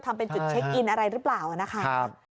ทำเป็นจุดเช็คอินอะไรหรือเปล่านะคะ